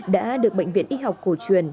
đã được bệnh viện y học cổ truyền